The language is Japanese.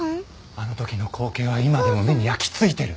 あの時の光景は今でも目に焼きついてる。